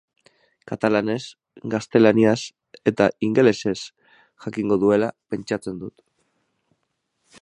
Katalanez, gaztelaniaz eta ingelesez jakingo duela pentsatzen dut.